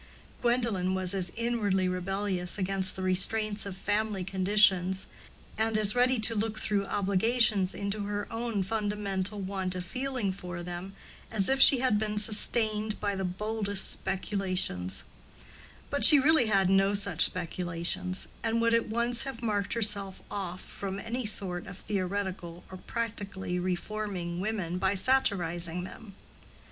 Gwendolen was as inwardly rebellious against the restraints of family conditions, and as ready to look through obligations into her own fundamental want of feeling for them, as if she had been sustained by the boldest speculations; but she really had no such speculations, and would at once have marked herself off from any sort of theoretical or practically reforming women by satirizing them.